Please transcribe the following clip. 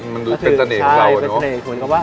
มันเป็นเสน่ห์ของเรา